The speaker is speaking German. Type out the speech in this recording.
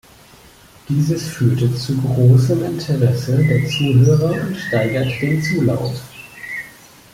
Dieses führte zu großem Interesse der Zuhörer und steigerte den Zulauf.